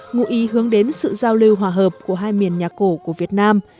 ngụy hướng đến sự giao lưu hòa hợp của hai miền nhạc cổ của việt nam